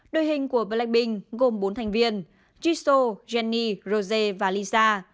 đôi hình của blackpink gồm bốn thành viên jisoo jennie rose và lisa